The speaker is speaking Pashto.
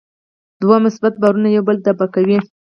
دوه مثبت بارونه یو بل دفع کوي.